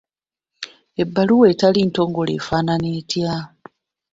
Ebbaluwa etali ntongole efaanana etya?